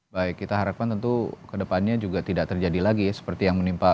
baik kita harapkan tentu kedepannya juga tidak terjadi lagi seperti yang menurut pak kabit